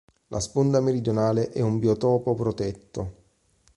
La sponda meridionale è un biotopo protetto.